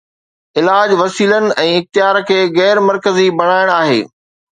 علاج وسيلن ۽ اختيار کي غير مرڪزي بڻائڻ آهي.